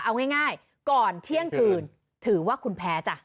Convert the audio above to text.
เอาง่ายก่อนเที่ยงคืนถือว่าคุณแพ้จ้ะ